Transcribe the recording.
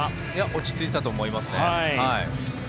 落ち着いていたと思いますね。